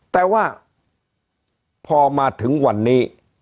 แต่ว่าพอมาถึงวันนี้